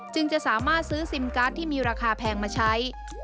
จะสามารถซื้อซิมการ์ดที่มีราคาแพงมาใช้